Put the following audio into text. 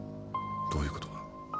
どういうことだ？